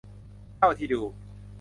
เท่าที่ดู